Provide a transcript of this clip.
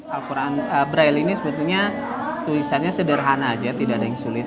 al quran braille ini sebetulnya tulisannya sederhana aja tidak ada yang sulit